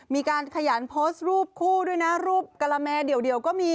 มีการขยันโพสต์รูปคู่ด้วยนะรูปกะละแมเดี่ยวก็มี